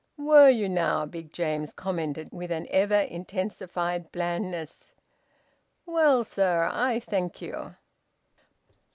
"Were you now!" Big James commented, with an ever intensified blandness. "Well, sir, I thank you."